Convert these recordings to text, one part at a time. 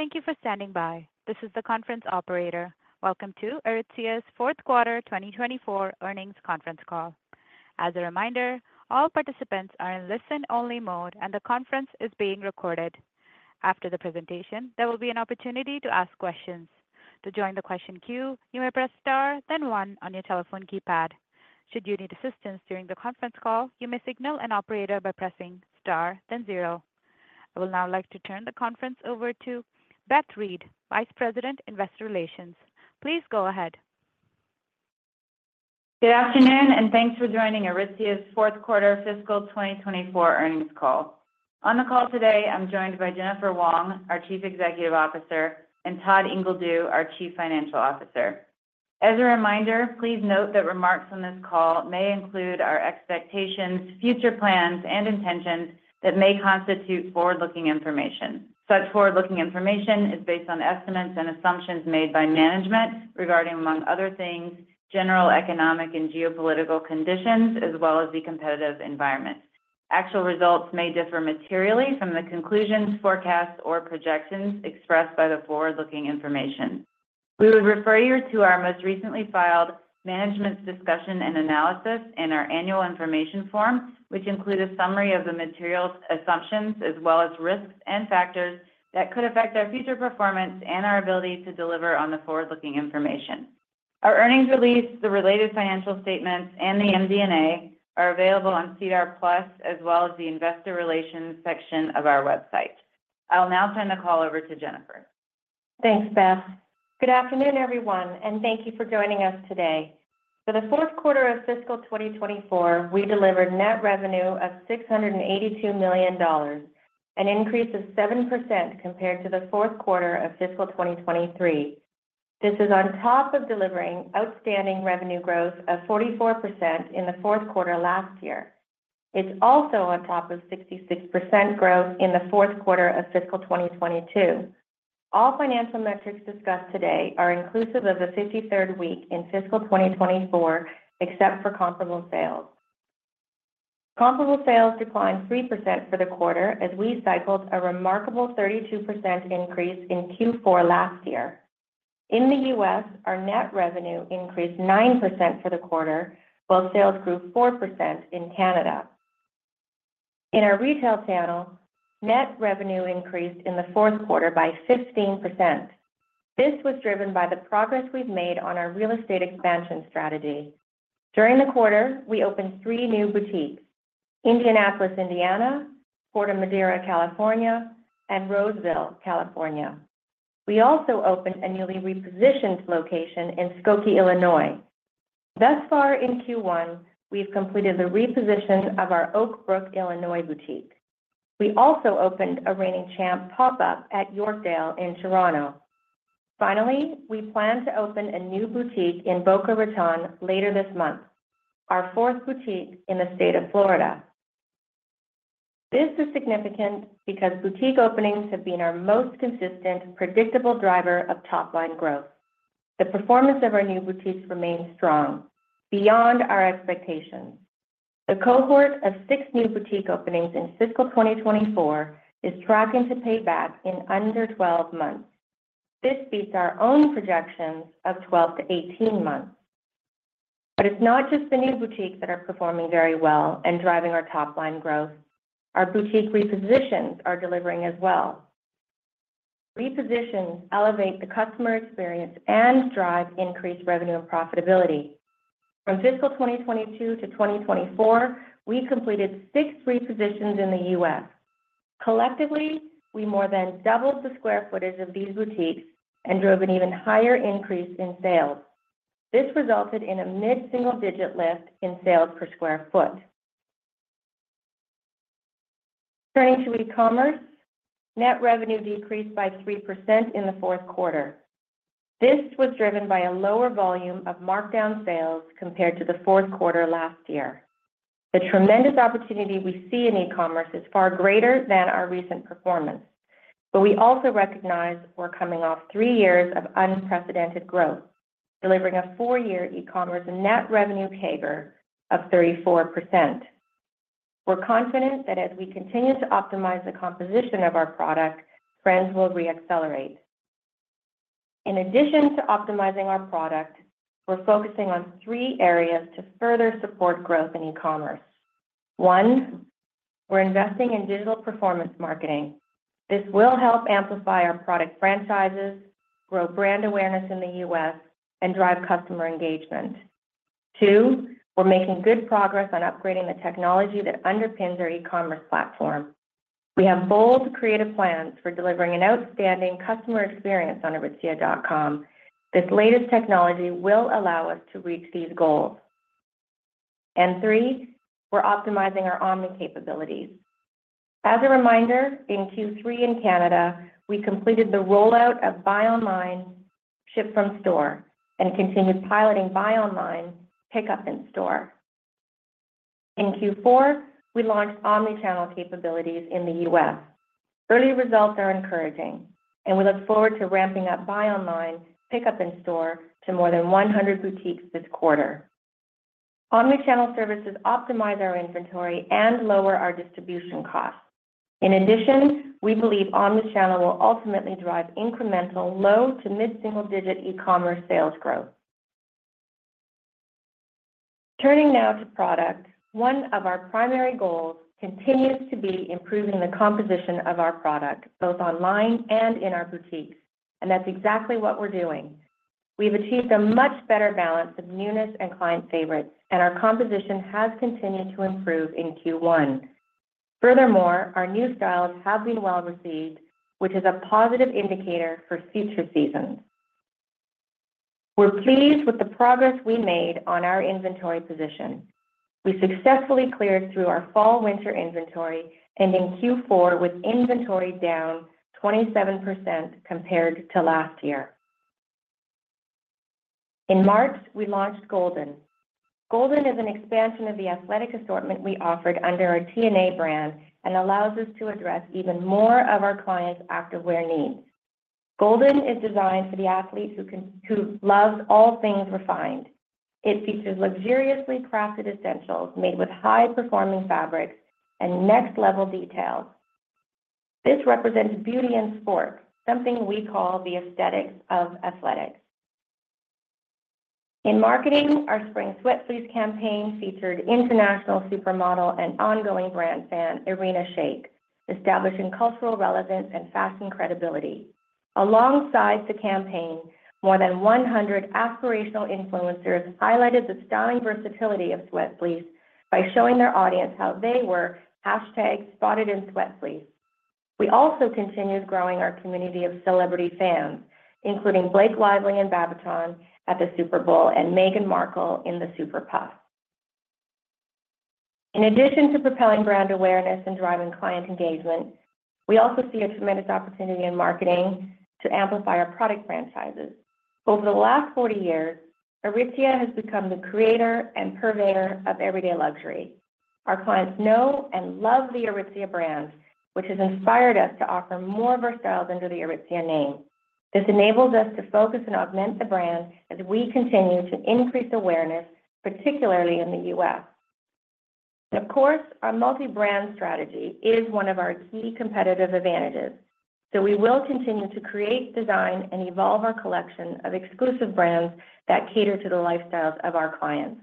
Thank you for standing by. This is the conference operator. Welcome to Aritzia's Q4 2024 Earnings Conference Call. As a reminder, all participants are in listen-only mode, and the conference is being recorded. After the presentation, there will be an opportunity to ask questions. To join the question queue, you may press Star, then one on your telephone keypad. Should you need assistance during the conference call, you may signal an operator by pressing Star, then zero. I would now like to turn the conference over to Beth Reed, Vice President, Investor Relations. Please go ahead. Good afternoon, and thanks for joining Aritzia's Q4 Fiscal 2024 Earnings Call. On the call today, I'm joined by Jennifer Wong, our Chief Executive Officer, and Todd Ingledew, our Chief Financial Officer. As a reminder, please note that remarks on this call may include our expectations, future plans, and intentions that may constitute forward-looking information. Such forward-looking information is based on estimates and assumptions made by management regarding, among other things, general economic and geopolitical conditions, as well as the competitive environment. Actual results may differ materially from the conclusions, forecasts, or projections expressed by the forward-looking information. We would refer you to our most recently filed management's discussion and analysis and our annual information form, which include a summary of the material assumptions as well as risks and factors that could affect our future performance and our ability to deliver on the forward-looking information. Our earnings release, the related financial statements, and the MD&A are available on SEDAR+, as well as the investor relations section of our website. I will now turn the call over to Jennifer. Thanks, Beth. Good afternoon, everyone, and thank you for joining us today. For the Q4 of fiscal 2024, we delivered net revenue of 682 million dollars, an increase of 7% compared to the Q4 of fiscal 2023. This is on top of delivering outstanding revenue growth of 44% in the Q4 last year. It's also on top of 66% growth in the Q4 of fiscal 2022. All financial metrics discussed today are inclusive of the 53rd week in fiscal 2024, except for comparable sales. Comparable sales declined 3% for the quarter as we cycled a remarkable 32% increase in Q4 last year. In the U.S., our net revenue increased 9% for the quarter, while sales grew 4% in Canada. In our retail channel, net revenue increased in the Q4 by 15%. This was driven by the progress we've made on our real estate expansion strategy. During the quarter, we opened 3 new boutiques: Indianapolis, Indiana, Corte Madera, California, and Roseville, California. We also opened a newly repositioned location in Skokie, Illinois. Thus far in Q1, we've completed the reposition of our Oak Brook, Illinois, boutique. We also opened a Reigning Champ pop-up at Yorkdale in Toronto. Finally, we plan to open a new boutique in Boca Raton later this month, our fourth boutique in the state of Florida. This is significant because boutique openings have been our most consistent, predictable driver of top-line growth. The performance of our new boutiques remains strong, beyond our expectations. The cohort of 6 new boutique openings in fiscal 2024 is tracking to pay back in under 12 months. This beats our own projections of 12-18 months. But it's not just the new boutiques that are performing very well and driving our top line growth. Our boutique repositions are delivering as well. Repositions elevate the customer experience and drive increased revenue and profitability. From fiscal 2022-2024, we completed six repositions in the U.S. Collectively, we more than doubled the square footage of these boutiques and drove an even higher increase in sales. This resulted in a mid-single-digit lift in sales per square foot. Turning to e-commerce, net revenue decreased by 3% in the Q4. This was driven by a lower volume of markdown sales compared to the Q4 last year. The tremendous opportunity we see in e-commerce is far greater than our recent performance, but we also recognize we're coming off three years of unprecedented growth, delivering a four-year e-commerce net revenue CAGR of 34%. We're confident that as we continue to optimize the composition of our product, trends will reaccelerate. In addition to optimizing our product, we're focusing on three areas to further support growth in e-commerce. One, we're investing in digital performance marketing. This will help amplify our product franchises, grow brand awareness in the U.S., and drive customer engagement. Two, we're making good progress on upgrading the technology that underpins our e-commerce platform. We have bold, creative plans for delivering an outstanding customer experience on Aritzia.com. This latest technology will allow us to reach these goals. And three, we're optimizing our omni capabilities. As a reminder, in Q3 in Canada, we completed the rollout of buy online, ship from store, and continued piloting buy online, pickup in store. In Q4, we launched omni-channel capabilities in the US. Early results are encouraging, and we look forward to ramping up buy online, pickup in store to more than 100 boutiques this quarter. Omni-channel services optimize our inventory and lower our distribution costs. In addition, we believe omni-channel will ultimately drive incremental low to mid-single-digit e-commerce sales growth. Turning now to product, one of our primary goals continues to be improving the composition of our product, both online and in our boutiques, and that's exactly what we're doing. We've achieved a much better balance of newness and client favorites, and our composition has continued to improve in Q1. Furthermore, our new styles have been well-received, which is a positive indicator for future seasons. We're pleased with the progress we made on our inventory position. We successfully cleared through our fall/winter inventory, ending Q4 with inventory down 27% compared to last year. In March, we launched Golden. Golden is an expansion of the athletic assortment we offered under our TNA brand and allows us to address even more of our clients' activewear needs. Golden is designed for the athlete who loves all things refined. It features luxuriously crafted essentials made with high-performing fabrics and next-level details. This represents beauty in sport, something we call the aesthetics of athletics. In marketing, our Spring Sweatfleece campaign featured international supermodel and ongoing brand fan, Irina Shayk, establishing cultural relevance and fashion credibility. Alongside the campaign, more than 100 aspirational influencers highlighted the styling versatility of Sweatfleece by showing their audience how they were #SpottedInSweatSleeves. We also continued growing our community of celebrity fans, including Blake Lively in Babaton at the Super Bowl and Meghan Markle in the Super Puff. In addition to propelling brand awareness and driving client engagement, we also see a tremendous opportunity in marketing to amplify our product franchises. Over the last 40 years, Aritzia has become the creator and purveyor of everyday luxury. Our clients know and love the Aritzia brand, which has inspired us to offer more of our styles under the Aritzia name. This enables us to focus and augment the brand as we continue to increase awareness, particularly in the U.S. Of course, our multi-brand strategy is one of our key competitive advantages, so we will continue to create, design, and evolve our collection of exclusive brands that cater to the lifestyles of our clients.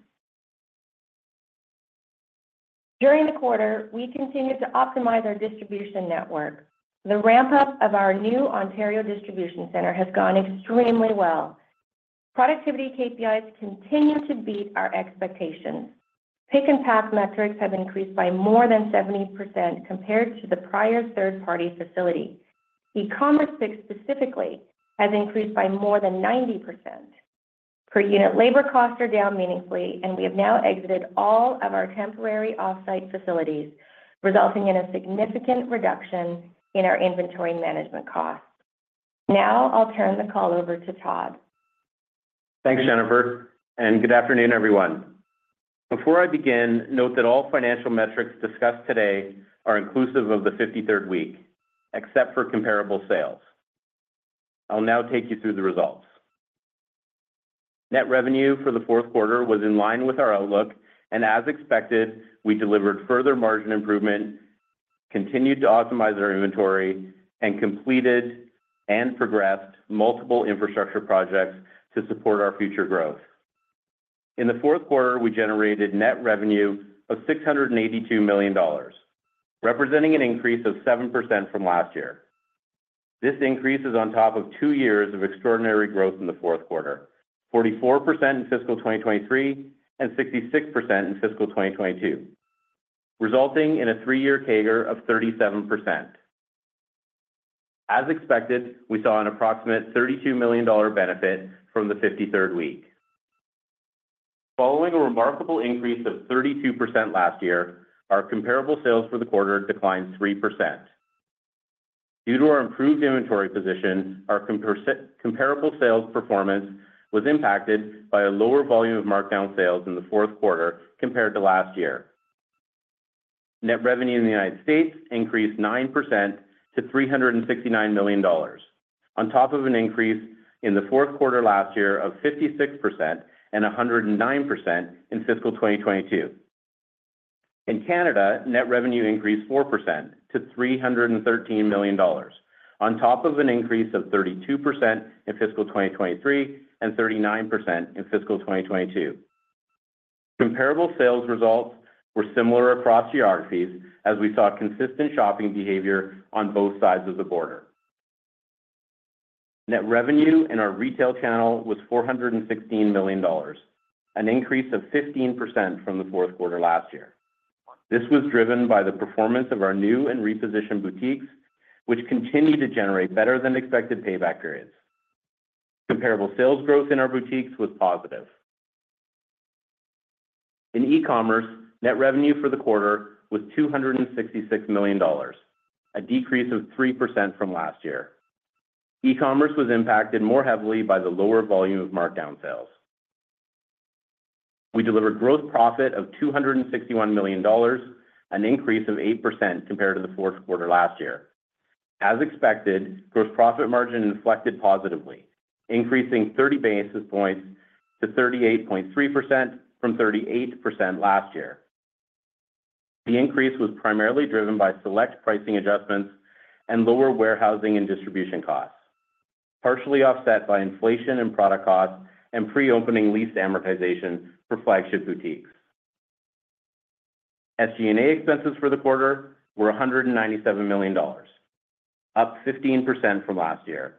During the quarter, we continued to optimize our distribution network. The ramp-up of our new Ontario distribution center has gone extremely well. Productivity KPIs continue to beat our expectations. Pick and pass metrics have increased by more than 70% compared to the prior third-party facility. E-commerce, specifically, has increased by more than 90%. Per unit labor costs are down meaningfully, and we have now exited all of our temporary off-site facilities, resulting in a significant reduction in our inventory management costs. Now, I'll turn the call over to Todd. Thanks, Jennifer, and good afternoon, everyone. Before I begin, note that all financial metrics discussed today are inclusive of the fifty-third week, except for comparable sales. I'll now take you through the results. Net revenue for the Q4 was in line with our outlook, and as expected, we delivered further margin improvement, continued to optimize our inventory, and completed and progressed multiple infrastructure projects to support our future growth. In the Q4, we generated net revenue of 682 million dollars, representing an increase of 7% from last year. This increase is on top of two years of extraordinary growth in the Q4: 44% in fiscal 2023, and 66% in fiscal 2022, resulting in a three-year CAGR of 37%. As expected, we saw an approximate 32 million dollar benefit from the fifty-third week. Following a remarkable increase of 32% last year, our comparable sales for the quarter declined 3%. Due to our improved inventory position, our comparable sales performance was impacted by a lower volume of markdown sales in the Q4 compared to last year. Net revenue in the United States increased 9% to 369 million dollars, on top of an increase in the Q4 last year of 56% and 109% in fiscal 2022. In Canada, net revenue increased 4% to 313 million dollars, on top of an increase of 32% in fiscal 2023 and 39% in fiscal 2022. Comparable sales results were similar across geographies, as we saw consistent shopping behavior on both sides of the border. Net revenue in our retail channel was 416 million dollars, an increase of 15% from the Q4 last year. This was driven by the performance of our new and repositioned boutiques, which continued to generate better-than-expected payback periods. Comparable sales growth in our boutiques was positive. In e-commerce, net revenue for the quarter was 266 million dollars, a decrease of 3% from last year. E-commerce was impacted more heavily by the lower volume of markdown sales. We delivered gross profit of 261 million dollars, an increase of 8% compared to the Q4 last year. As expected, gross profit margin inflected positively, increasing 30 basis points to 38.3% from 38% last year. The increase was primarily driven by select pricing adjustments and lower warehousing and distribution costs, partially offset by inflation and product costs and pre-opening lease amortization for flagship boutiques. SG&A expenses for the quarter were 197 million dollars, up 15% from last year.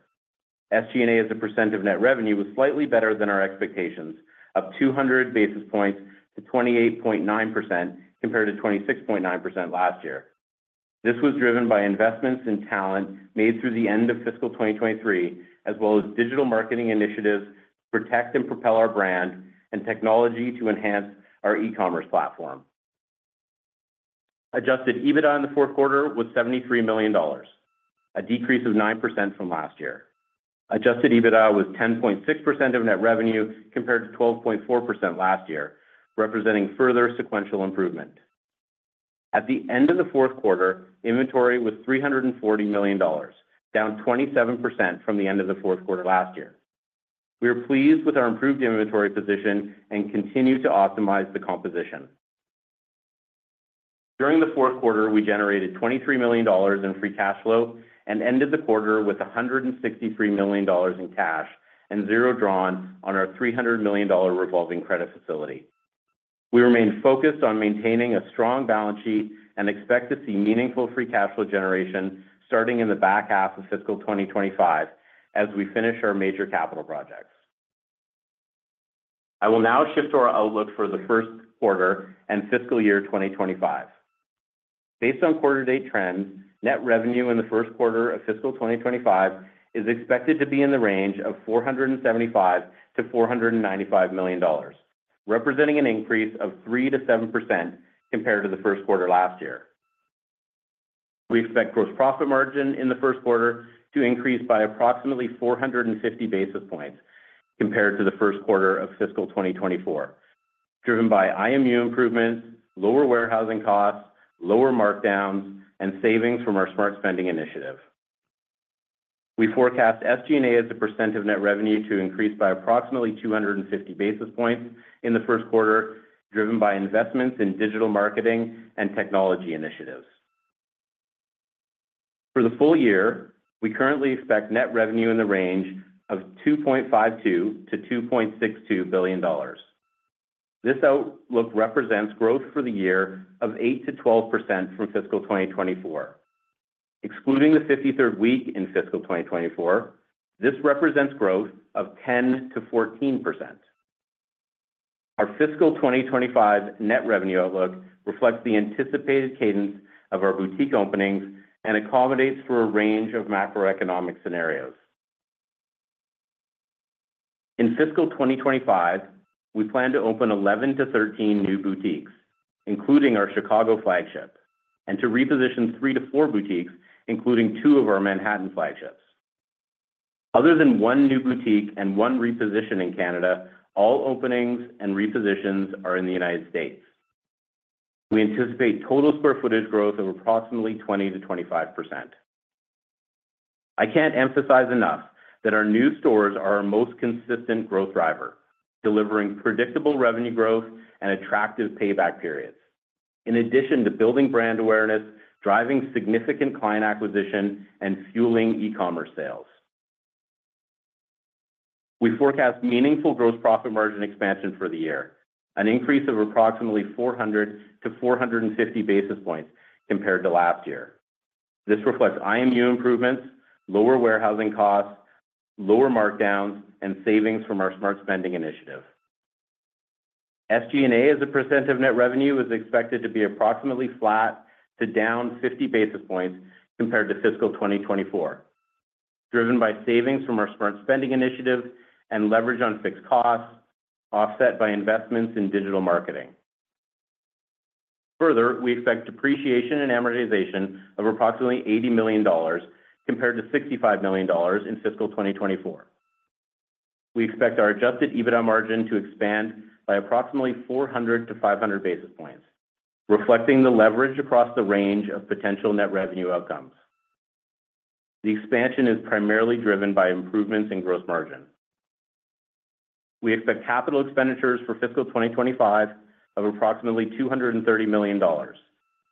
SG&A as a percent of net revenue was slightly better than our expectations, up 200 basis points to 28.9%, compared to 26.9% last year. This was driven by investments in talent made through the end of fiscal 2023, as well as digital marketing initiatives to protect and propel our brand and technology to enhance our e-commerce platform. Adjusted EBITDA in the Q4 was 73 million dollars, a decrease of 9% from last year. Adjusted EBITDA was 10.6% of net revenue, compared to 12.4% last year, representing further sequential improvement. At the end of the Q4, inventory was 340 million dollars, down 27% from the end of the Q4 last year. We are pleased with our improved inventory position and continue to optimize the composition. During the Q4, we generated 23 million dollars in free cash flow and ended the quarter with 163 million dollars in cash and zero drawn on our 300 million dollar revolving credit facility. We remain focused on maintaining a strong balance sheet and expect to see meaningful free cash flow generation starting in the back half of fiscal 2025, as we finish our major capital projects. I will now shift to our outlook for the Q1 and fiscal year 2025. Based on quarter-to-date trends, net revenue in the Q1 of fiscal 2025 is expected to be in the range of 475 million-495 million dollars, representing an increase of 3%-7% compared to the Q1 last year. We expect gross profit margin in the Q1 to increase by approximately 450 basis points compared to the Q1 of fiscal 2024, driven by IMU improvements, lower warehousing costs, lower markdowns, and savings from our smart spending initiative. We forecast SG&A as a percent of net revenue to increase by approximately 250 basis points in the Q1, driven by investments in digital marketing and technology initiatives. For the full year, we currently expect net revenue in the range of 2.52 billion-2.62 billion dollars. This outlook represents growth for the year of 8%-12% from fiscal 2024. Excluding the fifty-third week in fiscal 2024, this represents growth of 10%-14%. Our fiscal 2025 net revenue outlook reflects the anticipated cadence of our boutique openings and accommodates for a range of macroeconomic scenarios. In fiscal 2025, we plan to open 11-13 new boutiques, including our Chicago flagship, and to reposition 3-4 boutiques, including two of our Manhattan flagships. Other than one new boutique and one reposition in Canada, all openings and repositions are in the United States. We anticipate total square footage growth of approximately 20%-25%. I can't emphasize enough that our new stores are our most consistent growth driver, delivering predictable revenue growth and attractive payback periods, in addition to building brand awareness, driving significant client acquisition, and fueling e-commerce sales. We forecast meaningful gross profit margin expansion for the year, an increase of approximately 400-450 basis points compared to last year. This reflects IMU improvements, lower warehousing costs, lower markdowns, and savings from our smart spending initiative. SG&A, as a % of net revenue, is expected to be approximately flat to down 50 basis points compared to fiscal 2024, driven by savings from our smart spending initiative and leverage on fixed costs, offset by investments in digital marketing. Further, we expect depreciation and amortization of approximately 80 million dollars compared to 65 million dollars in fiscal 2024. We expect our adjusted EBITDA margin to expand by approximately 400-500 basis points, reflecting the leverage across the range of potential net revenue outcomes. The expansion is primarily driven by improvements in gross margin. We expect capital expenditures for fiscal 2025 of approximately 230 million dollars.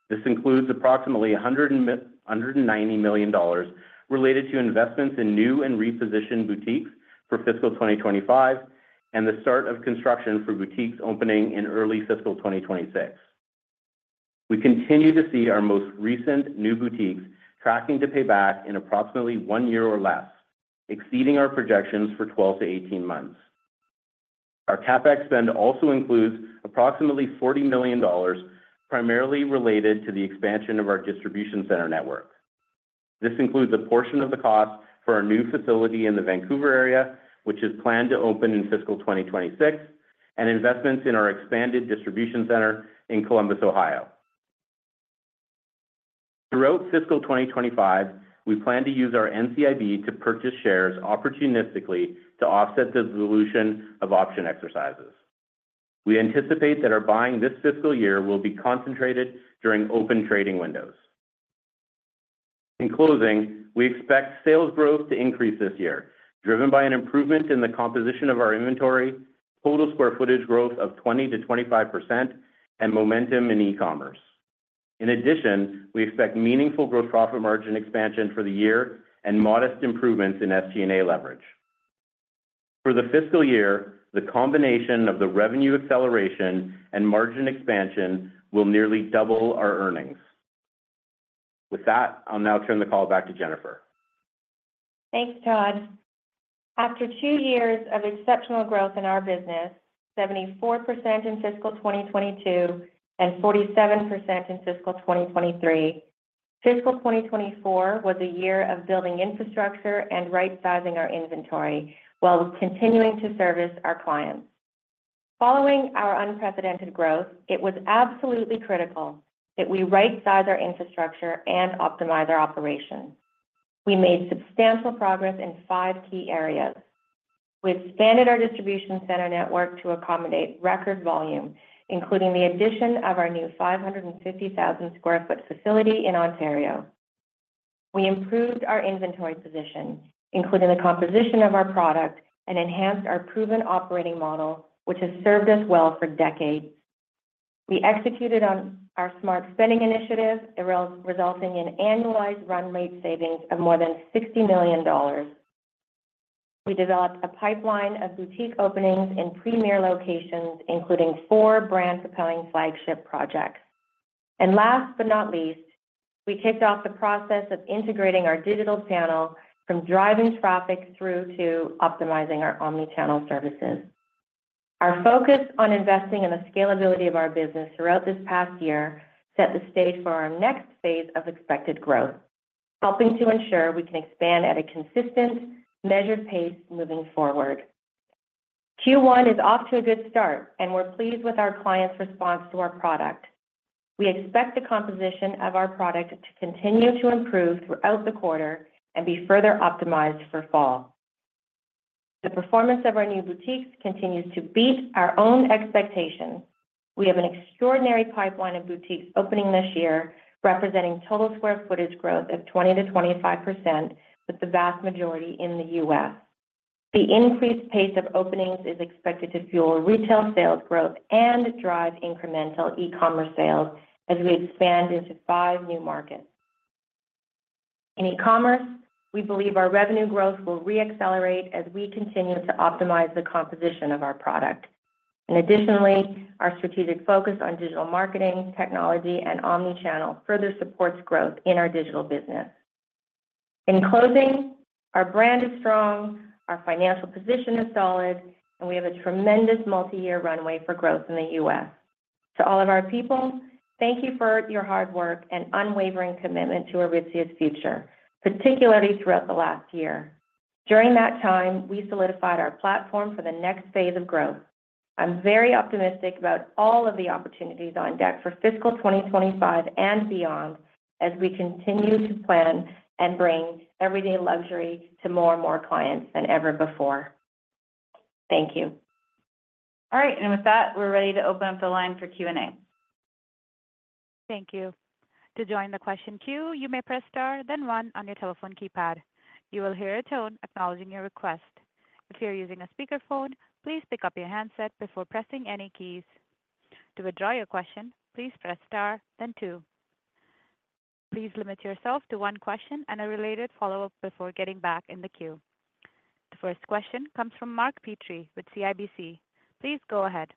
This includes approximately 190 million dollars related to investments in new and repositioned boutiques for fiscal 2025 and the start of construction for boutiques opening in early fiscal 2026. We continue to see our most recent new boutiques tracking to pay back in approximately one year or less, exceeding our projections for 12-18 months. Our CapEx spend also includes approximately 40 million dollars, primarily related to the expansion of our distribution center network. This includes a portion of the cost for our new facility in the Vancouver area, which is planned to open in fiscal 2026, and investments in our expanded distribution center in Columbus, Ohio. Throughout fiscal 2025, we plan to use our NCIB to purchase shares opportunistically to offset the dilution of option exercises…. We anticipate that our buying this fiscal year will be concentrated during open trading windows. In closing, we expect sales growth to increase this year, driven by an improvement in the composition of our inventory, total square footage growth of 20%-25%, and momentum in e-commerce. In addition, we expect meaningful gross profit margin expansion for the year and modest improvements in SG&A leverage. For the fiscal year, the combination of the revenue acceleration and margin expansion will nearly double our earnings. With that, I'll now turn the call back to Jennifer. Thanks, Todd. After two years of exceptional growth in our business, 74% in fiscal 2022 and 47% in fiscal 2023, fiscal 2024 was a year of building infrastructure and right-sizing our inventory while continuing to service our clients. Following our unprecedented growth, it was absolutely critical that we right-size our infrastructure and optimize our operations. We made substantial progress in five key areas. We expanded our distribution center network to accommodate record volume, including the addition of our new 550,000 sq ft facility in Ontario. We improved our inventory position, including the composition of our product, and enhanced our proven operating model, which has served us well for decades. We executed on our smart spending initiative, resulting in annualized run-rate savings of more than 60 million dollars. We developed a pipeline of boutique openings in premier locations, including four brand-propelling flagship projects. Last but not least, we kicked off the process of integrating our digital channel from driving traffic through to optimizing our omni-channel services. Our focus on investing in the scalability of our business throughout this past year set the stage for our next phase of expected growth, helping to ensure we can expand at a consistent, measured pace moving forward. Q1 is off to a good start, and we're pleased with our clients' response to our product. We expect the composition of our product to continue to improve throughout the quarter and be further optimized for fall. The performance of our new boutiques continues to beat our own expectations. We have an extraordinary pipeline of boutiques opening this year, representing total square footage growth of 20%-25%, with the vast majority in the U.S. The increased pace of openings is expected to fuel retail sales growth and drive incremental e-commerce sales as we expand into 5 new markets. In e-commerce, we believe our revenue growth will re-accelerate as we continue to optimize the composition of our product. Additionally, our strategic focus on digital marketing, technology, and omni-channel further supports growth in our digital business. In closing, our brand is strong, our financial position is solid, and we have a tremendous multi-year runway for growth in the U.S. To all of our people, thank you for your hard work and unwavering commitment to Aritzia's future, particularly throughout the last year. During that time, we solidified our platform for the next phase of growth. I'm very optimistic about all of the opportunities on deck for fiscal 2025 and beyond, as we continue to plan and bring everyday luxury to more and more clients than ever before. Thank you. All right, and with that, we're ready to open up the line for Q&A. Thank you. To join the question queue, you may press Star, then One on your telephone keypad. You will hear a tone acknowledging your request. If you're using a speakerphone, please pick up your handset before pressing any keys. To withdraw your question, please press Star, then Two. Please limit yourself to one question and a related follow-up before getting back in the queue. The first question comes from Mark Petrie with CIBC. Please go ahead.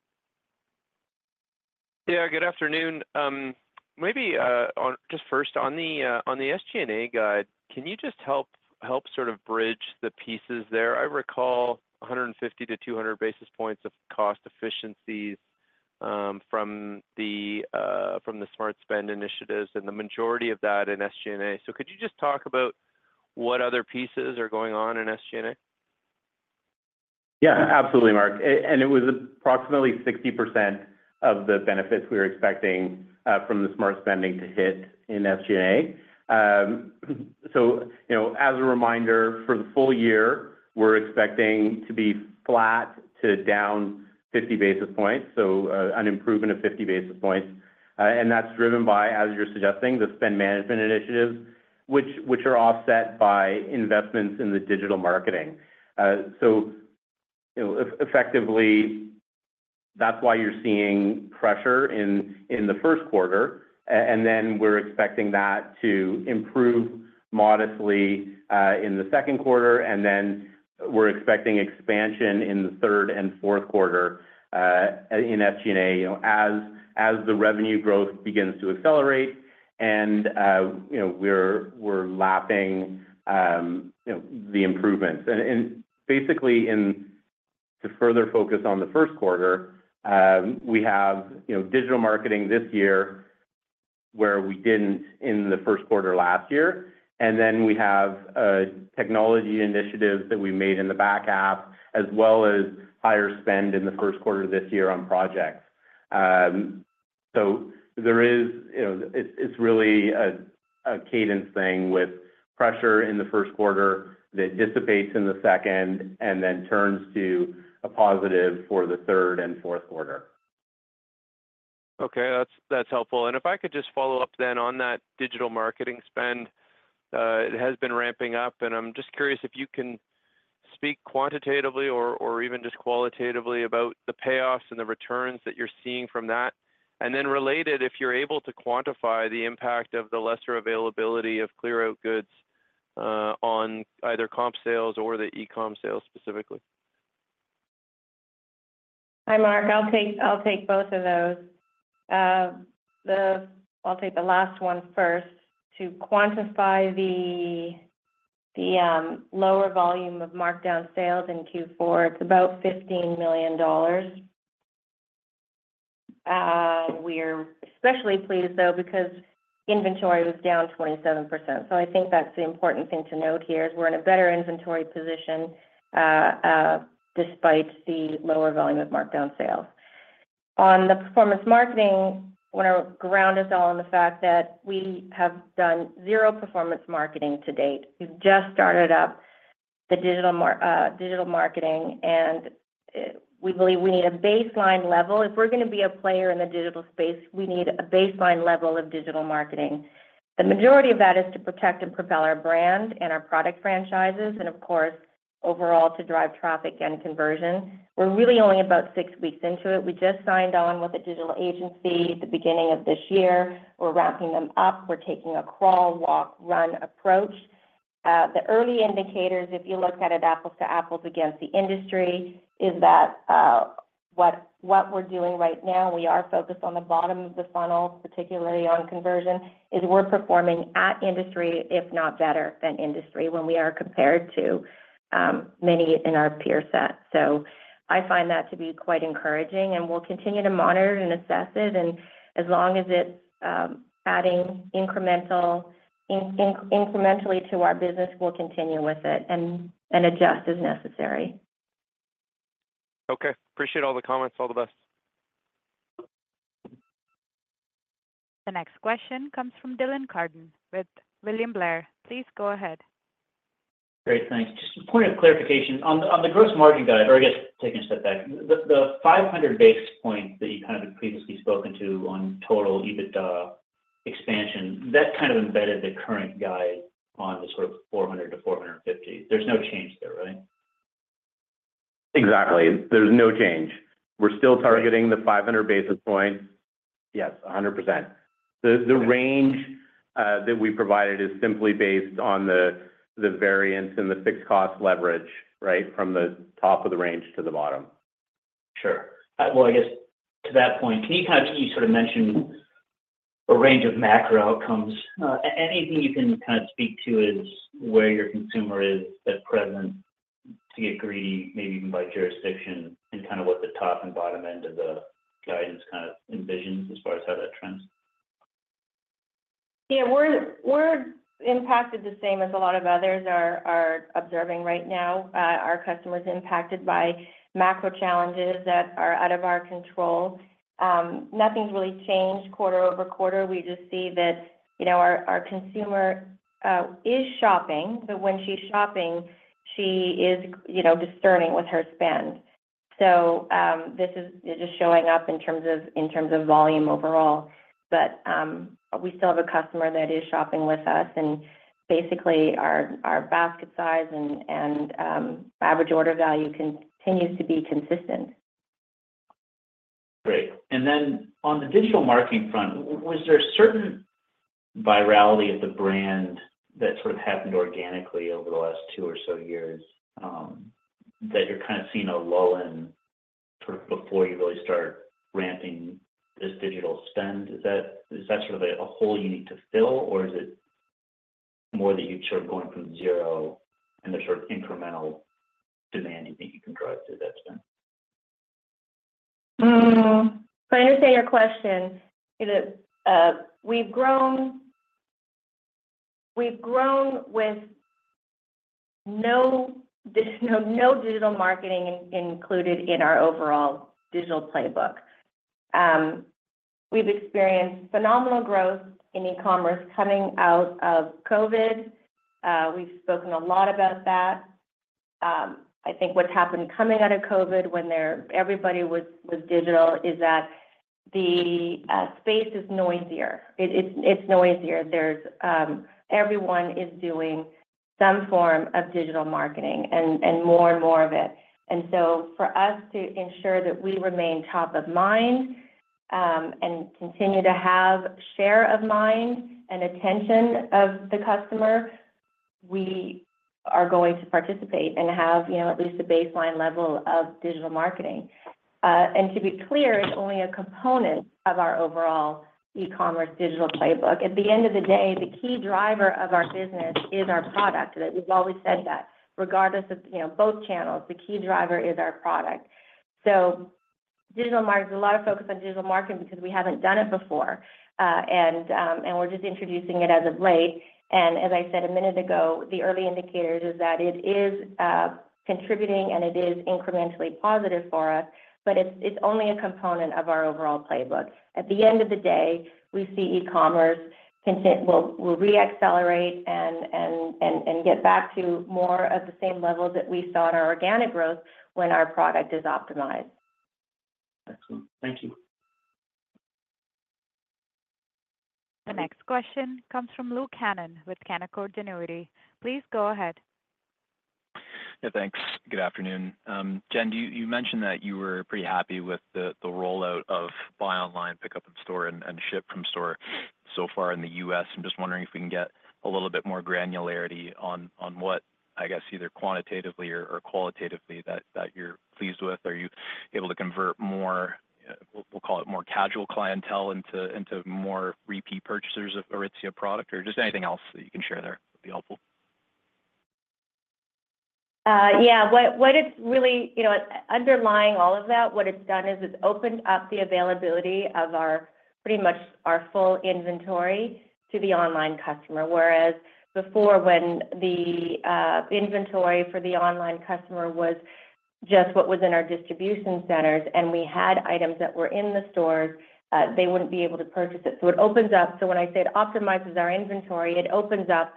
Yeah, good afternoon. Maybe just first, on the SG&A guide, can you just help sort of bridge the pieces there? I recall 150-200 basis points of cost efficiencies from the smart spend initiatives and the majority of that in SG&A. So could you just talk about what other pieces are going on in SG&A? Yeah, absolutely, Mark. And it was approximately 60% of the benefits we were expecting from the smart spending to hit in SG&A. So, you know, as a reminder, for the full year, we're expecting to be flat to down 50 basis points, so an improvement of 50 basis points. And that's driven by, as you're suggesting, the spend management initiatives, which are offset by investments in the digital marketing. So, effectively, that's why you're seeing pressure in the Q1. And then we're expecting that to improve modestly in the Q2, and then we're expecting expansion in the third and Q4 in SG&A, you know, as the revenue growth begins to accelerate and, you know, we're lapping the improvements. Basically, to further focus on the Q1, we have, you know, digital marketing this year, where we didn't in the Q1 last year, and then we have a technology initiative that we made in the app, as well as higher spend in the Q1 of this year on projects. So there is, you know, it's really a cadence thing with pressure in the Q1 that dissipates in the second, and then turns to a positive for the third and Q4. Okay, that's, that's helpful. And if I could just follow up then on that digital marketing spend, it has been ramping up, and I'm just curious if you can speak quantitatively or, or even just qualitatively about the payoffs and the returns that you're seeing from that? And then related, if you're able to quantify the impact of the lesser availability of clear out goods, on either comp sales or the e-com sales specifically. Hi, Mark. I'll take both of those. I'll take the last one first. To quantify the lower volume of markdown sales in Q4, it's about CAD 15 million. We are especially pleased though because inventory was down 27%. So I think that's the important thing to note here, is we're in a better inventory position, despite the lower volume of markdown sales. On the performance marketing, I wanna ground us all on the fact that we have done zero performance marketing to date. We've just started up the digital marketing, and we believe we need a baseline level. If we're gonna be a player in the digital space, we need a baseline level of digital marketing. The majority of that is to protect and propel our brand and our product franchises, and of course, overall, to drive traffic and conversion. We're really only about six weeks into it. We just signed on with a digital agency at the beginning of this year. We're ramping them up. We're taking a crawl, walk, run approach. The early indicators, if you look at it apples to apples against the industry, is that, what we're doing right now, we are focused on the bottom of the funnel, particularly on conversion, is we're performing at industry, if not better than industry, when we are compared to, many in our peer set. So I find that to be quite encouraging, and we'll continue to monitor and assess it, and as long as it's, adding incremental... Incrementally to our business, we'll continue with it and adjust as necessary. Okay. Appreciate all the comments. All the best. The next question comes from Dylan Carden with William Blair. Please go ahead. Great, thanks. Just a point of clarification. On the gross margin guide, or I guess, taking a step back, the 500 basis points that you kind of previously spoken to on total EBITDA expansion, that kind of embedded the current guide on the sort of 400-450. There's no change there, right? Exactly. There's no change. We're still targeting the 500 basis points. Yes, 100%. The, the range that we provided is simply based on the, the variance and the fixed cost leverage, right? From the top of the range to the bottom. Sure. Well, I guess to that point, can you kind of... You sort of mentioned a range of macro outcomes. Anything you can kind of speak to as where your consumer is at present, to get greedy, maybe even by jurisdiction, and kind of what the top and bottom end of the guidance kind of envisions as far as how that trends? Yeah, we're impacted the same as a lot of others are observing right now. Our customers are impacted by macro challenges that are out of our control. Nothing's really changed quarter over quarter. We just see that, you know, our consumer is shopping, but when she's shopping, she is, you know, discerning with her spend. So, this is just showing up in terms of volume overall. But, we still have a customer that is shopping with us, and basically, our basket size and average order value continues to be consistent. Great. And then on the digital marketing front, was there certain virality of the brand that sort of happened organically over the last two or so years, that you're kind of seeing a lull in sort of before you really start ramping this digital spend? Is that, is that sort of a hole you need to fill, or is it more that you're sort of going from zero and there's sort of incremental demand you think you can drive through that spend? So I understand your question. You know, we've grown, we've grown with no digital marketing included in our overall digital playbook. We've experienced phenomenal growth in e-commerce coming out of COVID. We've spoken a lot about that. I think what's happened coming out of COVID when there... everybody was digital, is that the space is noisier. It's noisier. There's... Everyone is doing some form of digital marketing and more and more of it. And so for us to ensure that we remain top of mind and continue to have share of mind and attention of the customer, we are going to participate and have, you know, at least a baseline level of digital marketing. And to be clear, it's only a component of our overall e-commerce digital playbook. At the end of the day, the key driver of our business is our product. We've always said that. Regardless of, you know, both channels, the key driver is our product. So, digital marketing, a lot of focus on digital marketing because we haven't done it before. And we're just introducing it as of late. And as I said a minute ago, the early indicators is that it is contributing, and it is incrementally positive for us, but it's only a component of our overall playbook. At the end of the day, we see e-commerce content will re-accelerate and get back to more of the same level that we saw in our organic growth when our product is optimized. Excellent. Thank you. The next question comes from Luke Hannan with Canaccord Genuity. Please go ahead. Yeah, thanks. Good afternoon. Jen, do you you mentioned that you were pretty happy with the rollout of buy online, pickup in store and ship from store so far in the US. I'm just wondering if we can get a little bit more granularity on what, I guess, either quantitatively or qualitatively that you're pleased with. Are you able to convert more, we'll call it more casual clientele into more repeat purchasers of Aritzia product? Or just anything else that you can share there would be helpful. Yeah, what it's really... You know, underlying all of that, what it's done is it's opened up the availability of our, pretty much our full inventory to the online customer. Whereas before, when the inventory for the online customer was just what was in our distribution centers, and we had items that were in the stores, they wouldn't be able to purchase it. So it opens up... So when I say it optimizes our inventory, it opens up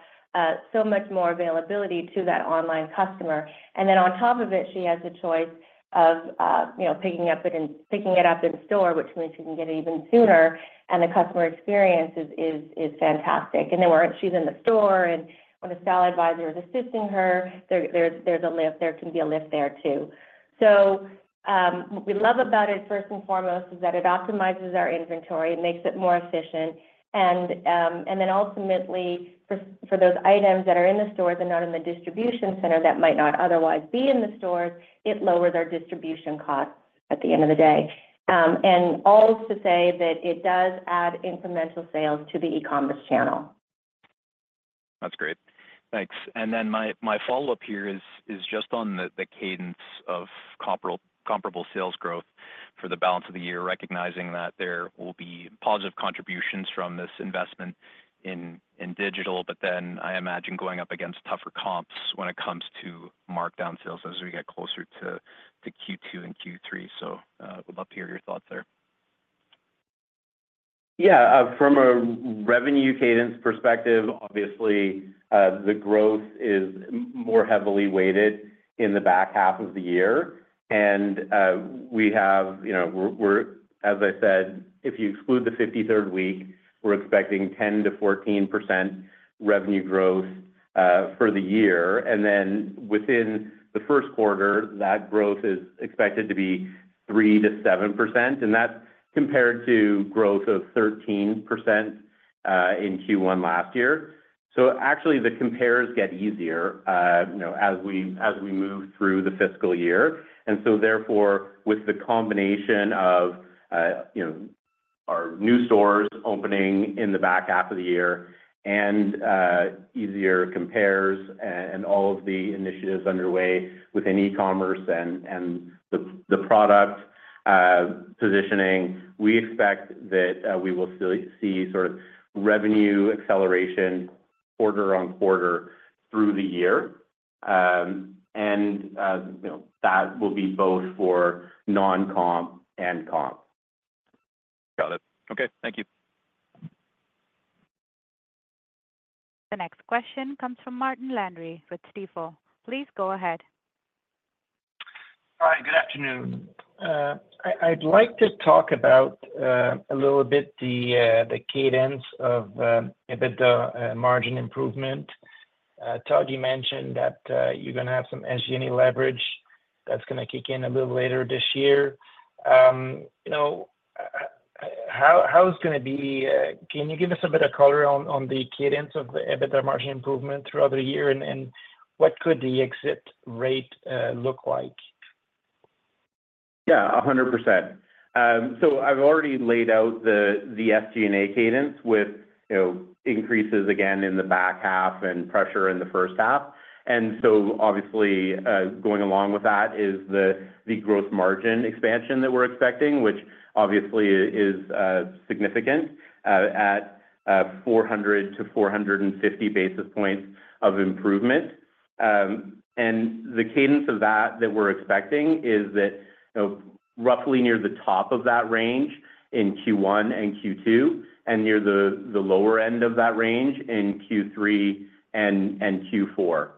so much more availability to that online customer. And then on top of it, she has the choice of, you know, picking up it in-- picking it up in store, which means she can get it even sooner, and the customer experience is fantastic. And then when she's in the store, and when the style advisor is assisting her, there, there's a lift, there can be a lift there, too. So, what we love about it, first and foremost, is that it optimizes our inventory and makes it more efficient. And then ultimately, for those items that are in the stores and not in the distribution center that might not otherwise be in the stores, it lowers our distribution costs at the end of the day. And all to say that it does add incremental sales to the e-commerce channel. That's great. Thanks. And then my follow-up here is just on the cadence of comparable sales growth for the balance of the year, recognizing that there will be positive contributions from this investment in digital. But then I imagine going up against tougher comps when it comes to markdown sales as we get closer to Q2 and Q3. So, would love to hear your thoughts there. Yeah, from a revenue cadence perspective, obviously, the growth is more heavily weighted in the back half of the year. And, we have, you know, we're. As I said, if you exclude the 53rd week, we're expecting 10%-14% revenue growth, for the year. And then within the Q1, that growth is expected to be 3%-7%, and that's compared to growth of 13% in Q1 last year. So actually, the compares get easier, you know, as we move through the fiscal year. Therefore, with the combination of, you know, our new stores opening in the back half of the year and easier compares and all of the initiatives underway within e-commerce and the product positioning, we expect that we will still see sort of revenue acceleration quarter-over-quarter through the year. You know, that will be both for non-comp and comp. Got it. Okay. Thank you. The next question comes from Martin Landry with Stifel. Please go ahead. Hi, good afternoon. I'd like to talk about a little bit the cadence of EBITDA margin improvement. Todd, you mentioned that you're gonna have some SG&A leverage that's gonna kick in a little later this year. You know, how is it gonna be? Can you give us a bit of color on the cadence of the EBITDA margin improvement throughout the year, and what could the exit rate look like? Yeah, 100%. So I've already laid out the SG&A cadence with, you know, increases again in the back half and pressure in the first half. And so obviously, going along with that is the gross margin expansion that we're expecting, which obviously is significant at 400-450 basis points of improvement. And the cadence of that that we're expecting is that, you know, roughly near the top of that range in Q1 and Q2, and near the lower end of that range in Q3 and Q4.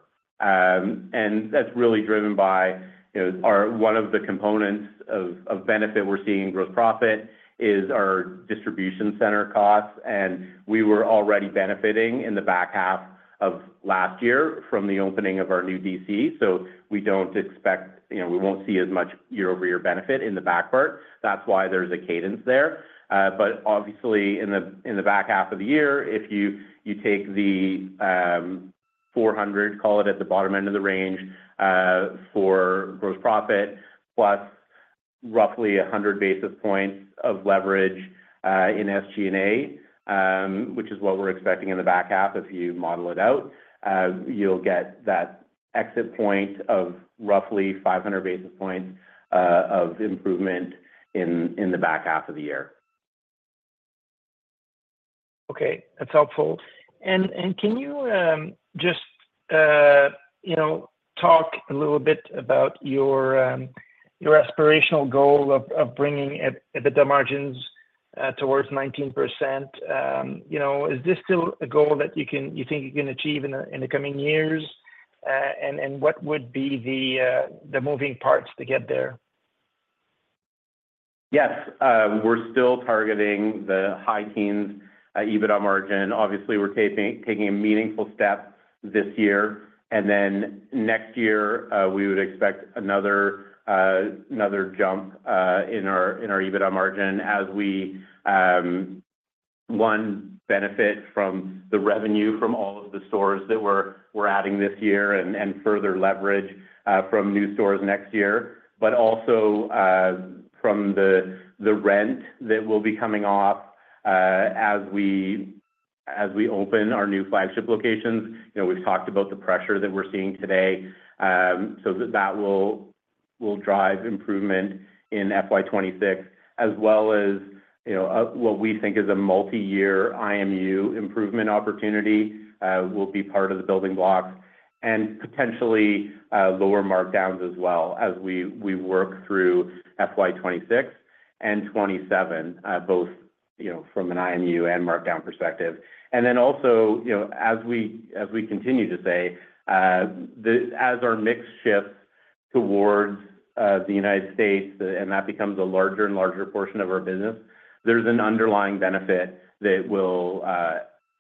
And that's really driven by, you know, our - one of the components of benefit we're seeing in gross profit is our distribution center costs, and we were already benefiting in the back half of last year from the opening of our new DC. So we don't expect, you know, we won't see as much year-over-year benefit in the back part. That's why there's a cadence there. But obviously, in the back half of the year, if you take the 400, call it, at the bottom end of the range, for gross profit, plus roughly 100 basis points of leverage, in SG&A, which is what we're expecting in the back half, if you model it out, you'll get that exit point of roughly 500 basis points of improvement in the back half of the year. Okay, that's helpful. And can you just, you know, talk a little bit about your aspirational goal of bringing EBITDA margins towards 19%? You know, is this still a goal that you think you can achieve in the coming years? And what would be the moving parts to get there? Yes, we're still targeting the high-teens EBITDA margin. Obviously, we're taking a meaningful step this year, and then next year we would expect another jump in our EBITDA margin as we benefit from the revenue from all of the stores that we're adding this year and further leverage from new stores next year, but also from the rent that will be coming off as we open our new flagship locations. You know, we've talked about the pressure that we're seeing today. So that will drive improvement in FY 2026, as well as, you know, what we think is a multiyear IMU improvement opportunity will be part of the building block. And potentially, lower markdowns as well, as we work through FY 2026 and 2027, both, you know, from an IMU and markdown perspective. And then also, you know, as we continue to say, as our mix shifts towards the United States, and that becomes a larger and larger portion of our business, there's an underlying benefit that will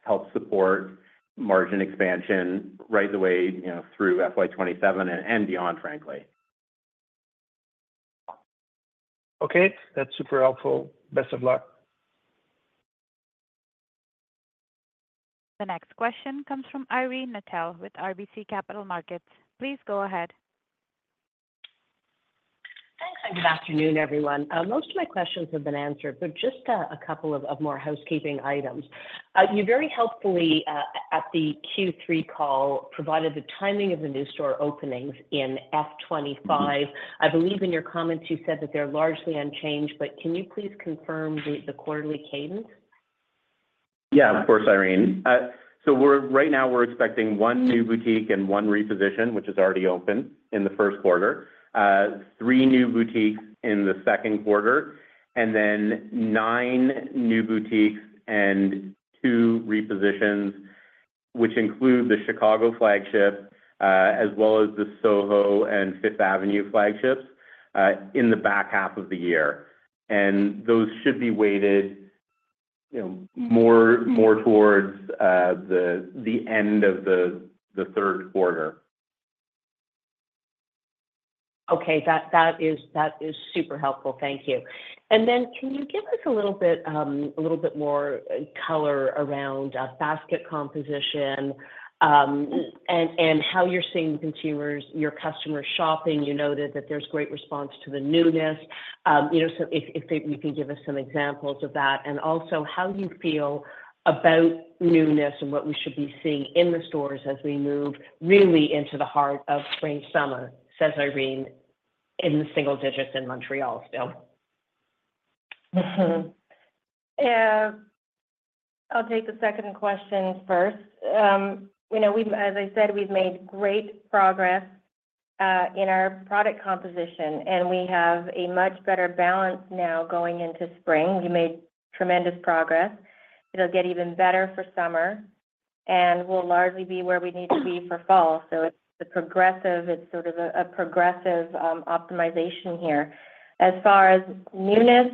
help support margin expansion right the way, you know, through FY 2027 and beyond, frankly. Okay. That's super helpful. Best of luck. The next question comes from Irene Nattel with RBC Capital Markets. Please go ahead. Thanks, and good afternoon, everyone. Most of my questions have been answered, but just a couple of more housekeeping items. You very helpfully at the Q3 call, provided the timing of the new store openings in F 25. I believe in your comments you said that they're largely unchanged, but can you please confirm the quarterly cadence? Yeah, of course, Irene. So we're right now expecting 1 new boutique and 1 reposition, which is already open in the Q1. Three new boutiques in the Q2, and then 9 new boutiques and 2 repositions, which include the Chicago flagship, as well as the Soho and Fifth Avenue flagships, in the back half of the year. And those should be weighted, you know, more towards the end of the Q3. Okay. That is super helpful. Thank you. And then can you give us a little bit more color around basket composition, and how you're seeing consumers, your customers shopping? You noted that there's great response to the newness. You know, so if you can give us some examples of that, and also how you feel about newness and what we should be seeing in the stores as we move really into the heart of spring, summer. Says Irene, in the single digits in Montreal still. Mm-hmm. I'll take the second question first. You know, we've—as I said, we've made great progress in our product composition, and we have a much better balance now going into spring. We made tremendous progress. It'll get even better for summer, and we'll largely be where we need to be for fall. So it's a progressive, it's sort of a progressive optimization here. As far as newness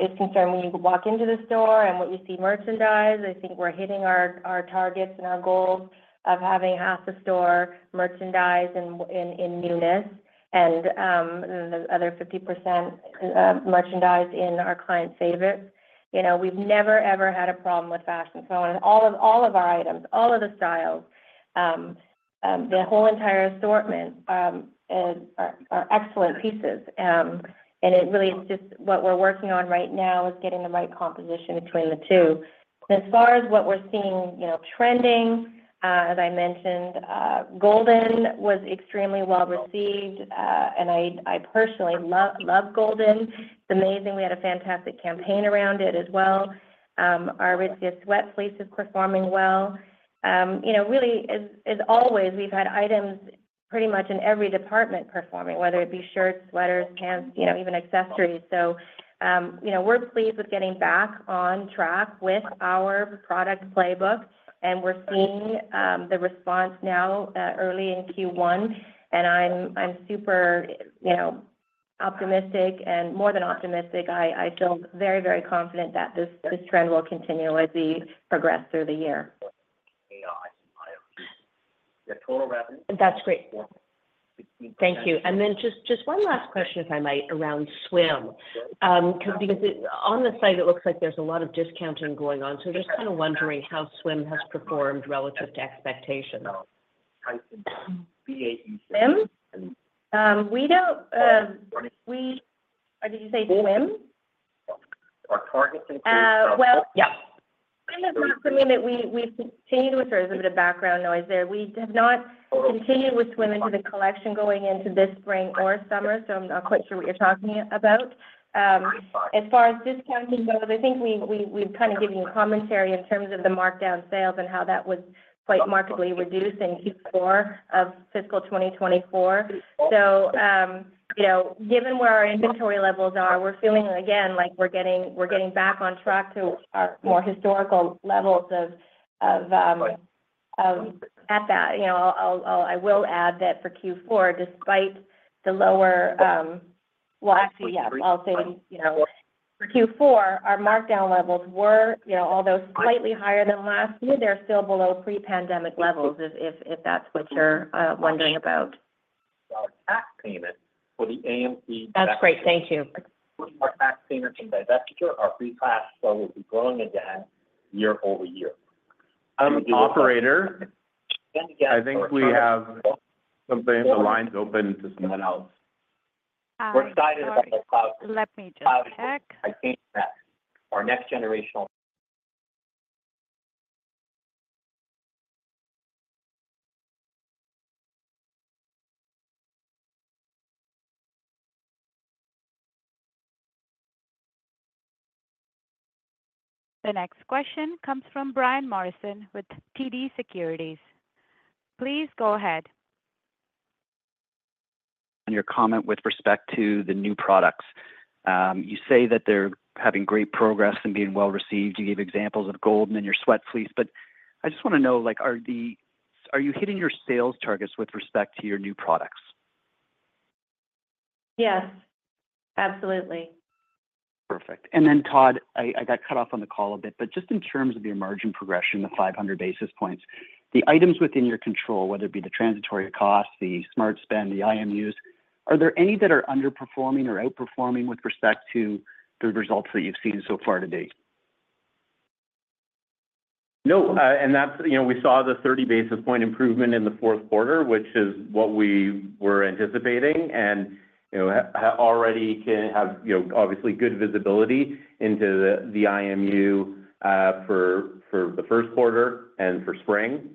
is concerned, when you walk into the store and what you see merchandise, I think we're hitting our targets and our goals of having half the store merchandise in newness and the other 50% merchandise in our client favorites. You know, we've never, ever had a problem with fashion. So all of our items, all of the styles, the whole entire assortment are excellent pieces. It really is just what we're working on right now is getting the right composition between the two. As far as what we're seeing, you know, trending, as I mentioned, Golden was extremely well received, and I personally love Golden. It's amazing. We had a fantastic campaign around it as well. Our ridged Sweat Fleece is performing well. You know, really, as always, we've had items pretty much in every department performing, whether it be shirts, sweaters, pants, you know, even accessories. You know, we're pleased with getting back on track with our product playbook, and we're seeing the response now, early in Q1, and I'm super, you know, optimistic, and more than optimistic, I feel very, very confident that this trend will continue as we progress through the year. That's great. Thank you. And then just, just one last question, if I might, around swim. Because on the site, it looks like there's a lot of discounting going on, so just kind of wondering how swim has performed relative to expectations. Swim? We don't. Did you say swim? Well, yeah, that's not something that we've continued with. There is a bit of background noise there. We have not continued with swim into the collection going into this spring or summer, so I'm not quite sure what you're talking about. As far as discounting goes, I think we've kind of given you commentary in terms of the markdown sales and how that was quite markedly reduced in Q4 of fiscal 2024. So, you know, given where our inventory levels are, we're feeling again like we're getting back on track to our more historical levels of... At that, you know, I'll add that for Q4, despite the lower, well, I see, yeah. I'll say, you know, for Q4, our markdown levels were, you know, although slightly higher than last year, they're still below pre-pandemic levels, if that's what you're wondering about. Our tax payment for the AMP- That's great. Thank you. Our tax payment and divestiture, our pre-tax, so we'll be growing again year-over-year. Operator, I think we have something. The line's open to someone else. We're excited about the cloud. Let me just check. I think that our next generational- The next question comes from Brian Morrison with TD Securities. Please go ahead. On your comment with respect to the new products, you say that they're having great progress and being well received. You gave examples of Golden and then your Sweat Fleece, but I just wanna know, like, are you hitting your sales targets with respect to your new products? Yes, absolutely. Perfect. And then, Todd, I got cut off on the call a bit, but just in terms of the margin progression, the 500 basis points, the items within your control, whether it be the transitory costs, the smart spend, the IMUs, are there any that are underperforming or outperforming with respect to the results that you've seen so far to date? No, and that's, you know, we saw the 30 basis point improvement in the Q4, which is what we were anticipating. And, you know, already can have, you know, obviously good visibility into the, the IMU, for, for the Q1 and for spring.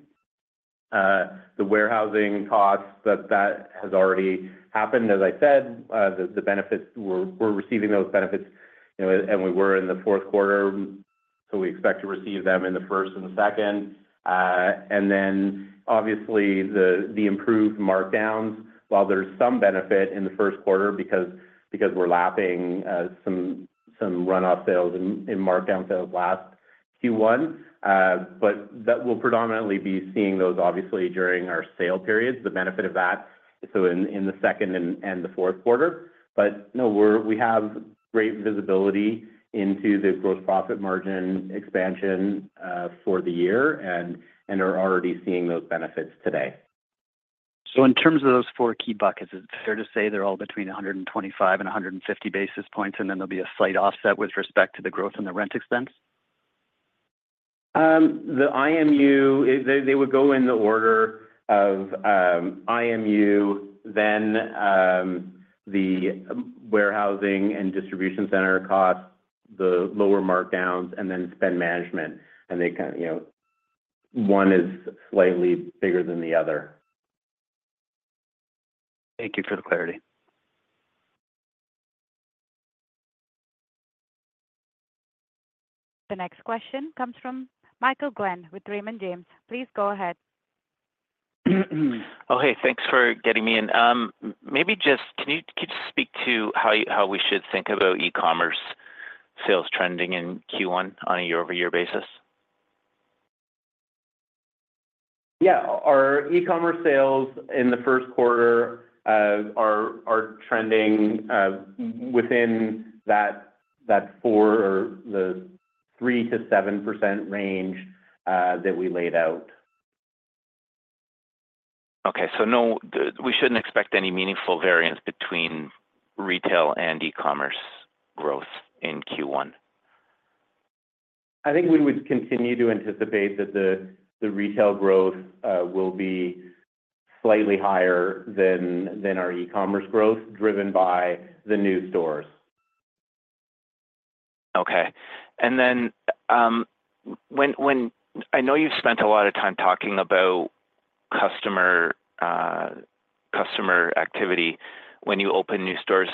The warehousing costs, that, that has already happened. As I said, the, the benefits... We're, we're receiving those benefits, you know, and we were in the Q4, so we expect to receive them in the first and the second. And then obviously, the, the improved markdowns, while there's some benefit in the Q1 because, because we're lapping, some, some runoff sales and, and markdown sales last Q1, but that will predominantly be seeing those, obviously, during our sale periods, the benefit of that, so in, in the second and, and the Q4.But no, we have great visibility into the gross profit margin expansion for the year and are already seeing those benefits today. So in terms of those four key buckets, is it fair to say they're all between 125 and 150 basis points, and then there'll be a slight offset with respect to the growth in the rent expense? The IMU, they would go in the order of, IMU, then, the warehousing and distribution center costs, the lower markdowns, and then spend management. And they kind, you know, one is slightly bigger than the other. Thank you for the clarity. The next question comes from Michael Glenn with Raymond James. Please go ahead. Oh, hey, thanks for getting me in. Maybe just... Can you, can you just speak to how you, how we should think about e-commerce sales trending in Q1 on a year-over-year basis? Yeah. Our e-commerce sales in the Q1 are trending within that 3%-7% range that we laid out. Okay. So no, we shouldn't expect any meaningful variance between retail and e-commerce growth in Q1? I think we would continue to anticipate that the retail growth will be slightly higher than our e-commerce growth, driven by the new stores. Okay. And then, I know you've spent a lot of time talking about customer activity when you open new stores.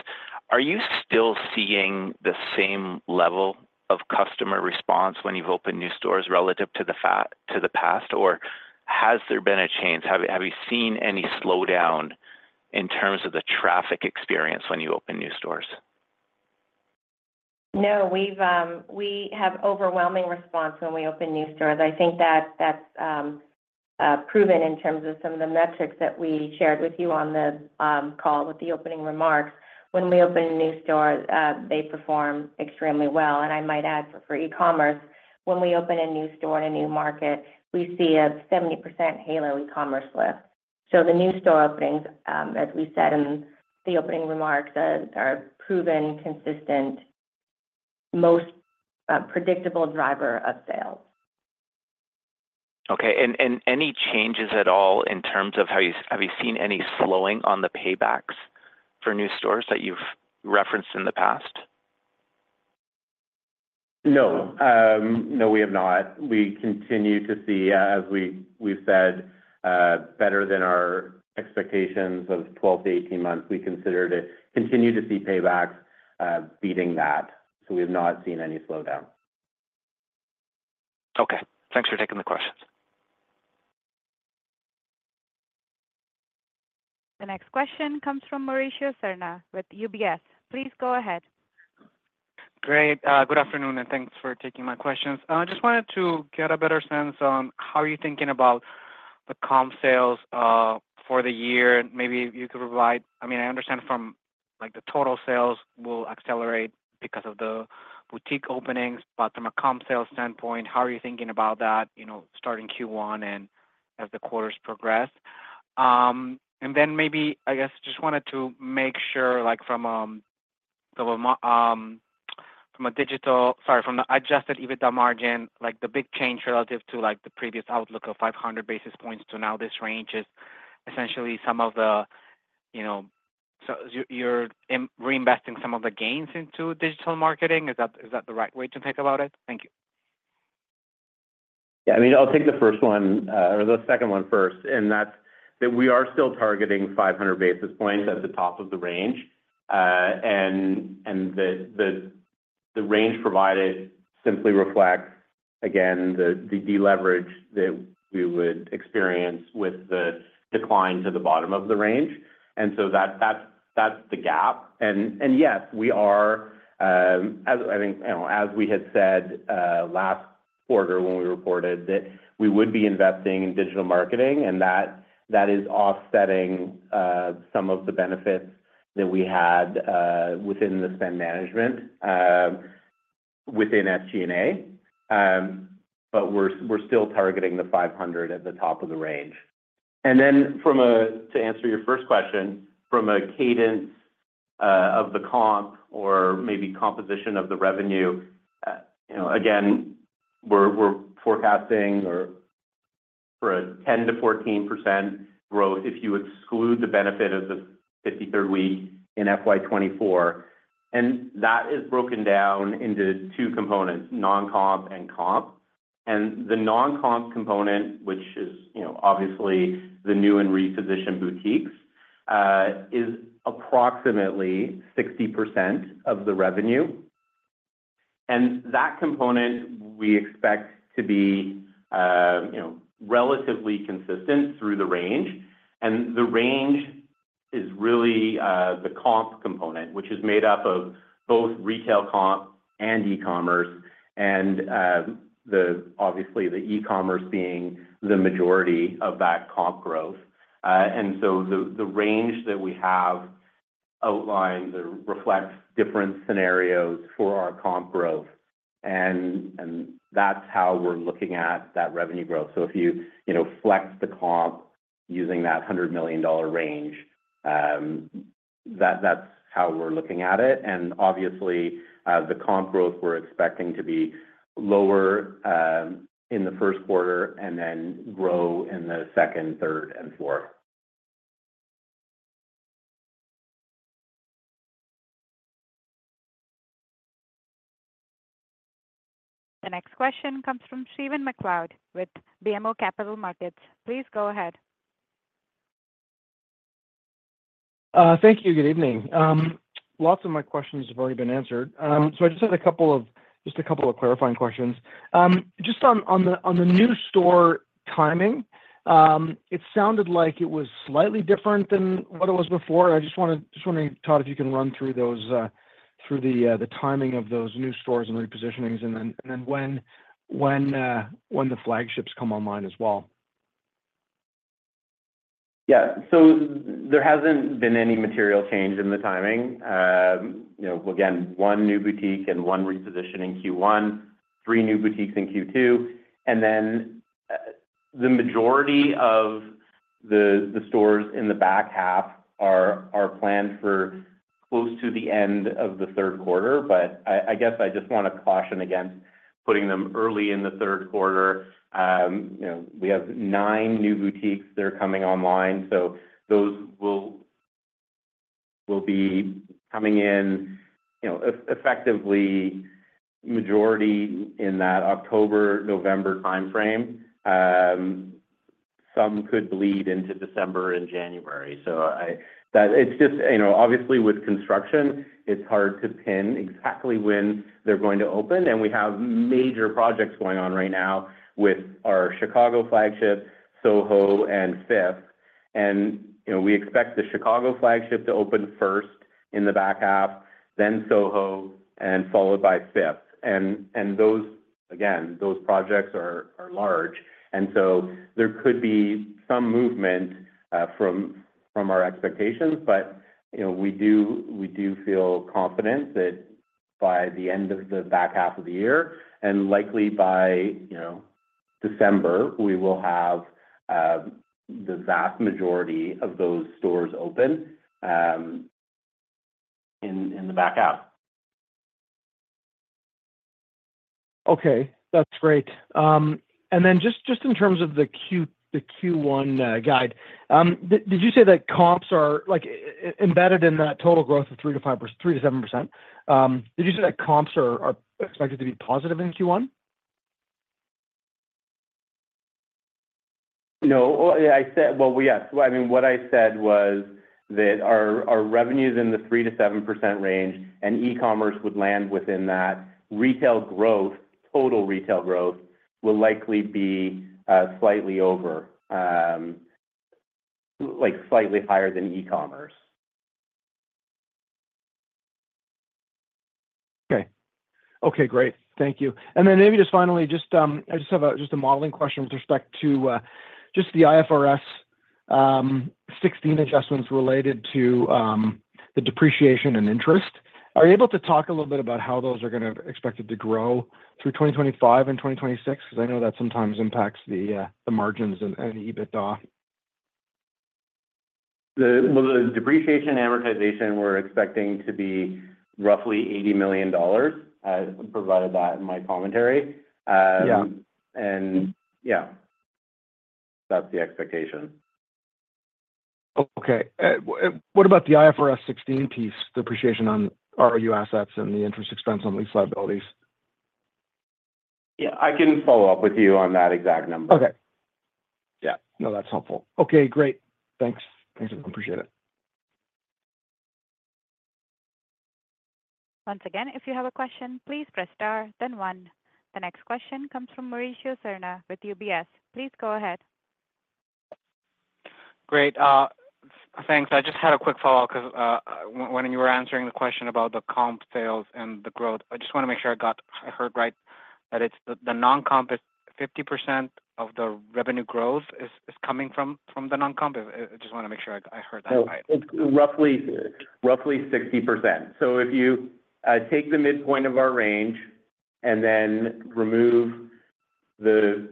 Are you still seeing the same level of customer response when you've opened new stores relative to the past, or has there been a change? Have you seen any slowdown in terms of the traffic experience when you open new stores? No, we've, we have overwhelming response when we open new stores. I think that's proven in terms of some of the metrics that we shared with you on the call with the opening remarks. When we open a new store, they perform extremely well, and I might add, for e-commerce, when we open a new store in a new market, we see a 70% halo e-commerce lift. So the new store openings, as we said in the opening remarks, are proven, consistent, most predictable driver of sales.... Okay, and any changes at all in terms of have you seen any slowing on the paybacks for new stores that you've referenced in the past? No, no, we have not. We continue to see, as we, we've said, better than our expectations of 12-18 months. We consider to continue to see paybacks, beating that, so we have not seen any slowdown. Okay. Thanks for taking the questions. The next question comes from Mauricio Serna with UBS. Please go ahead. Great. Good afternoon, and thanks for taking my questions. I just wanted to get a better sense on how you're thinking about the comp sales for the year. Maybe you could provide, I mean, I understand from, like, the total sales will accelerate because of the boutique openings, but from a comp sales standpoint, how are you thinking about that, you know, starting Q1 and as the quarters progress? And then maybe, I guess, just wanted to make sure, like, from the adjusted EBITDA margin, like the big change relative to, like, the previous outlook of 500 basis points to now this range is essentially some of the, you know, so you're, you're reinvesting some of the gains into digital marketing. Is that, is that the right way to think about it? Thank you. Yeah, I mean, I'll take the first one, or the second one first, and that's that we are still targeting 500 basis points at the top of the range. And the range provided simply reflects, again, the deleverage that we would experience with the decline to the bottom of the range. And so that's the gap. And yes, we are, as I think you know, as we had said last quarter when we reported, that we would be investing in digital marketing, and that is offsetting some of the benefits that we had within the spend management within SG&A. But we're still targeting the 500 at the top of the range. To answer your first question, from a cadence of the comp or maybe composition of the revenue, you know, again, we're forecasting for a 10%-14% growth if you exclude the benefit of the 53rd week in FY 2024, and that is broken down into two components: non-comp and comp. And the non-comp component, which is, you know, obviously the new and repositioned boutiques, is approximately 60% of the revenue. And that component we expect to be, you know, relatively consistent through the range. And the range is really the comp component, which is made up of both retail comp and e-commerce, and obviously the e-commerce being the majority of that comp growth. The range that we have outlined reflects different scenarios for our comp growth, and that's how we're looking at that revenue growth. So if you know, flex the comp using that 100 million dollar range, that's how we're looking at it. And obviously, the comp growth we're expecting to be lower in the Q1 and then grow in the second, third, and fourth. The next question comes from Stephen MacLeod with BMO Capital Markets. Please go ahead. Thank you. Good evening. Lots of my questions have already been answered. So I just had a couple of, just a couple of clarifying questions. Just on the new store timing, it sounded like it was slightly different than what it was before. I just wanted, just wondering, Todd, if you can run through those, through the timing of those new stores and repositionings, and then, and then when, when the flagships come online as well. Yeah. So there hasn't been any material change in the timing. You know, again, 1 new boutique and 1 repositioned in Q1, 3 new boutiques in Q2, and then the majority of the stores in the back half are planned for close to the end of the Q3. But I guess I just want to caution against putting them early in the Q3. You know, we have 9 new boutiques that are coming online, so those will be coming in, you know, effectively, majority in that October-November time frame. Some could bleed into December and January. So I... That. It's just, you know, obviously, with construction, it's hard to pin exactly when they're going to open, and we have major projects going on right now with our Chicago flagship, Soho, and Fifth. You know, we expect the Chicago flagship to open first in the back half, then Soho, and followed by Fifth. Those, again, those projects are large, and so there could be some movement from our expectations. But, you know, we do feel confident that by the end of the back half of the year, and likely by, you know, December, we will have the vast majority of those stores open in the back half.... Okay, that's great. And then just in terms of the Q1 guide, did you say that comps are, like, embedded in that total growth of 3%-5%, 3%-7%? Did you say that comps are expected to be positive in Q1? No. Well, yeah, I said. Well, yes. I mean, what I said was that our revenue's in the 3%-7% range, and e-commerce would land within that. Retail growth, total retail growth, will likely be slightly over, like, slightly higher than e-commerce. Okay. Okay, great. Thank you. And then maybe just finally, just, I just have a, just a modeling question with respect to, just the IFRS 16 adjustments related to, the depreciation and interest. Are you able to talk a little bit about how those are gonna expected to grow through 2025 and 2026? Because I know that sometimes impacts the, the margins and, and EBITDA. Well, the depreciation and amortization, we're expecting to be roughly 80 million dollars. I provided that in my commentary. Yeah, that's the expectation. Okay. What about the IFRS 16 piece, the depreciation on ROU assets and the interest expense on lease liabilities? Yeah, I can follow up with you on that exact number. Okay. Yeah. No, that's helpful. Okay, great. Thanks. Thanks, I appreciate it. Once again, if you have a question, please press Star, then One. The next question comes from Mauricio Serna with UBS. Please go ahead. Great, thanks. I just had a quick follow-up, 'cause, when you were answering the question about the comp sales and the growth, I just wanna make sure I got-- I heard right, that it's the non-comp is 50% of the revenue growth is coming from the non-comp. I just wanna make sure I heard that right. It's roughly 60%. So if you take the midpoint of our range and then remove the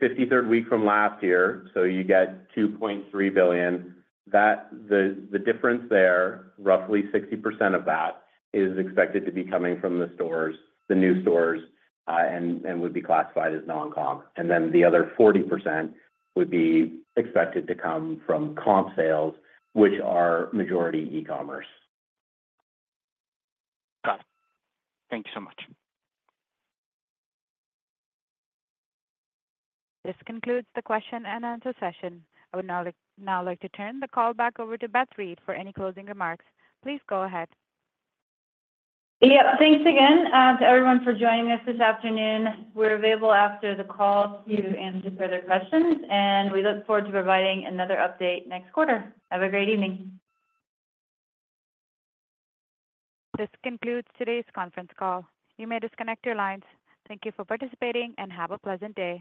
53rd week from last year, so you get 2.3 billion, that, the difference there, roughly 60% of that, is expected to be coming from the stores, the new stores, and would be classified as non-comp. And then the other 40% would be expected to come from comp sales, which are majority e-commerce. Got it. Thank you so much. This concludes the question and answer session. I would now like to turn the call back over to Beth Reed for any closing remarks. Please go ahead. Yeah. Thanks again to everyone for joining us this afternoon. We're available after the call to answer further questions, and we look forward to providing another update next quarter. Have a great evening. This concludes today's conference call. You may disconnect your lines. Thank you for participating, and have a pleasant day.